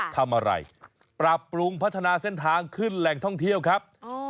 ทำอะไรปรับปรุงพัฒนาเส้นทางขึ้นแหล่งท่องเที่ยวครับ